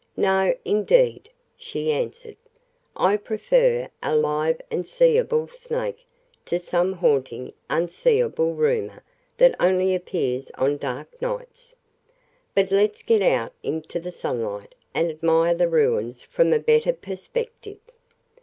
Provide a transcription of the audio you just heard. "No indeed," she answered. "I prefer a live and seeable snake to some haunting, unseeable rumor that only appears on dark nights. But let's get out into the sunlight and admire the ruins from a better perspective.